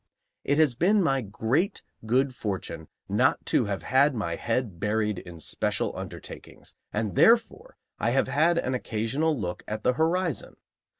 It has been my great good fortune not to have had my head buried in special undertakings, and, therefore, I have had an occasional look at the horizon.